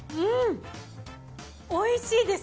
おいしいです。